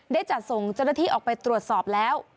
ได้จัดส่งเจ้าหน้าที่ออกไปตรวจสอบแล้ว